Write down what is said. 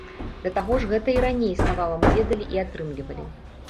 Да таго ж, гэта і раней існавала, мы ведалі і атрымлівалі.